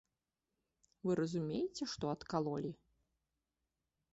Вы разумееце, што адкалолі?